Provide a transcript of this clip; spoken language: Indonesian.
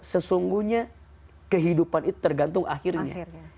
sesungguhnya kehidupan itu tergantung akhirnya